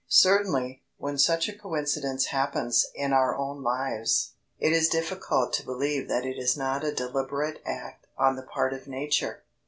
Certainly, when such a coincidence happens in our own lives, it is difficult to believe that it is not a deliberate act on the part of Nature.